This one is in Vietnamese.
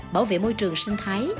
bảo vệ môi trường sinh thái